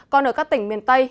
còn ở các tỉnh miền tây